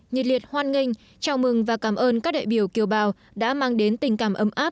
nhiệt liệt hoan nghênh chào mừng và cảm ơn các đại biểu kiều bào đã mang đến tình cảm ấm áp